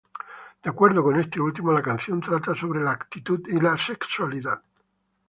De acuerdo con este último, la canción trata sobre la actitud y la sexualidad.